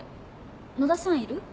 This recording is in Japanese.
野田さんいる？